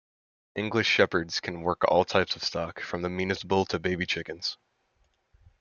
English Shepherds can work all types of stock-from the meanest bull to baby chickens.